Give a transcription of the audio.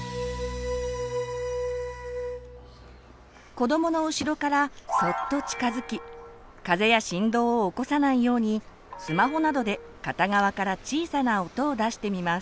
子どもの後ろからそっと近づき風や振動を起こさないようにスマホなどで片側から小さな音を出してみます。